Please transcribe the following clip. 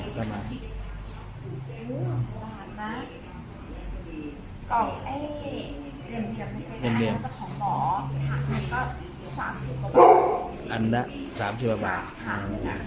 อันนั้น๓๐บาทตัวเดียวมันจะใช้ประมาณ๗ขาด